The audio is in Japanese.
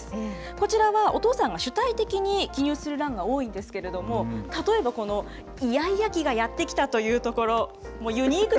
こちらは、お父さんが主体的に記入する欄が多いんですけれども、例えばこのイヤイヤ期がやってきたというところ。